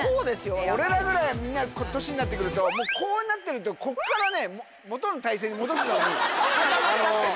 俺らぐらいの年になって来るとこうなってるとこっからね元の体勢に戻すのに。